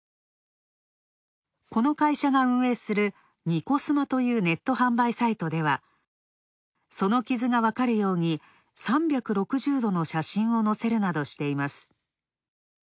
この会社が運営する「にこスマ」というネット販売サイトでは、その傷がわかるように３６０度の写真を載せるなどしています。